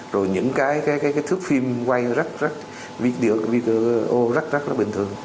rồi những cái thước phim quay rất rất bình thường